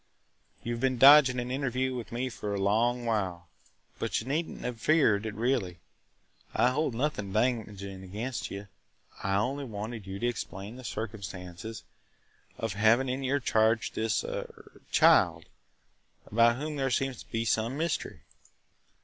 You have been dodging an interview with me for a long while, but you needn 't have feared it – really. I hold nothing damaging against you. I only wanted you to explain the circumstances of having in your charge this – er – child, about whom there seems to be some mystery."